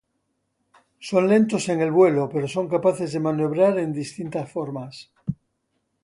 Son lentos en el vuelo, pero son capaces de maniobrar en distintas formas.